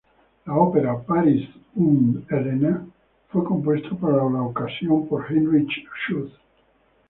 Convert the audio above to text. La ópera "Paris und Helena" fue compuesta para la ocasión por Heinrich Schütz.